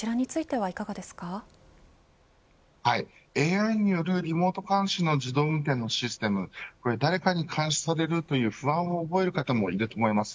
こちらについてはいかがですかＡＩによるリモート監視の自動運転のシステム誰かに監視されるという不安を覚える方もいると思います。